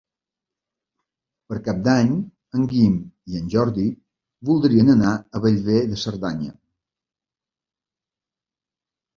Per Cap d'Any en Guim i en Jordi voldrien anar a Bellver de Cerdanya.